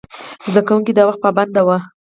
زده کوونکي د وخت پابند وو.